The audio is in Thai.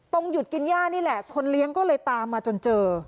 หยุดกินย่านี่แหละคนเลี้ยงก็เลยตามมาจนเจอ